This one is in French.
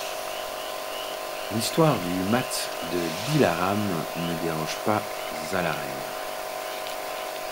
L'histoire du mat de Dilaram ne déroge pas à la règle.